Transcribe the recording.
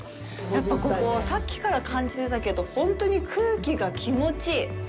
やっぱりここ、さっきから感じてたけど本当に空気が気持ちいい。